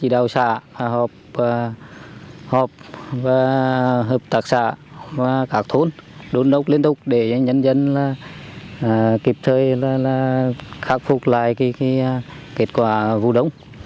để dân dân kịp thời khắc phục lại kết quả vụ đống